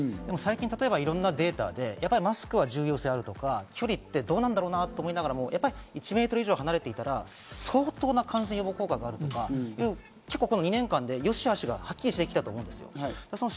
最近いろんなデータで、マスクは重要性があるとか、距離ってどうなんだろうなと思いながらも、１メートル以上離れていたら相当な感染予防効果があるとか、この２年間で善し悪しがはっきりしてきたと思うんです。